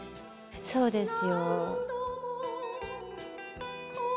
そうですよ。